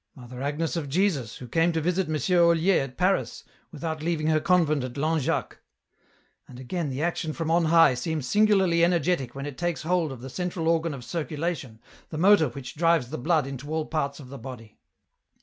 Mother Agnes of Jesus, who came to visit M. Olier at Paris without leaving her convent at Langeac. And, again, the action from on High seems singularly energetic when it takes hold of the central organ of circulation, the motor which drives the blood into all parts of the body.